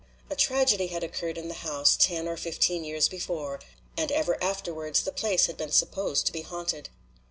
A tragedy had occurred in the house ten or fifteen years before, and ever afterwards the place had been supposed to be haunted.